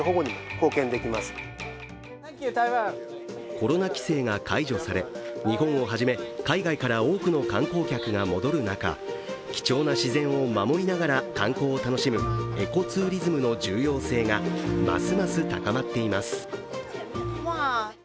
コロナ規制が解除され日本をはじめ海外から多くの観光客が戻る中、貴重な自然を守りながら観光を楽しむエコツーリズムの重要性がますます高まっています。